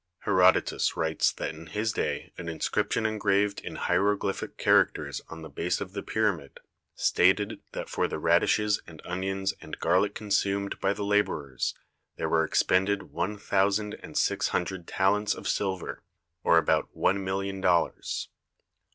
Herod otus writes that in his day an inscription engraved Portrait ot King Khufu THE PYRAMID OF KHUFU in hieroglyphic characters on the base of the pyramid stated that for the radishes and onions and garlic consumed by the labourers there were expended one thousand and six hundred talents of silver, or about one million dollars.